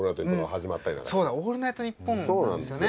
そうだ「オールナイトニッポン」なんですよね。